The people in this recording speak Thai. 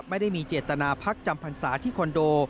ไม่ได้มีเจตนาพักจำพรรษาที่คอนโด